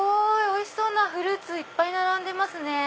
おいしそうなフルーツいっぱい並んでますね。